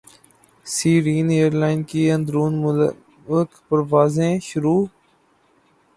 سیرین airline کی اندرون ملک پروازیں شروع